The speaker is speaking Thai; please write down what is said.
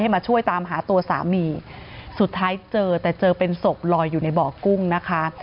มาช่วยตามหาตัวสามีสุดท้ายเจอแต่เจอเป็นศพลอยอยู่ในบ่อกุ้งนะคะ